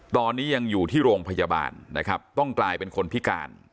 ตอนนี้ยังอยู่ที่โรงพยาบาลนะครับต้องกลายเป็นคนพิการ